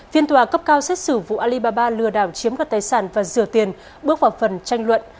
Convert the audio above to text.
phiên tòa cấp cao xét xử vụ alibaba lừa đảo chiếm đoạt tài sản và rửa tiền bước vào phần tranh luận